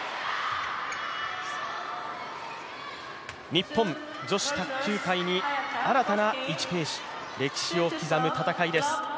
日本、女子卓球界に新たな１ページ、歴史を刻む戦いです。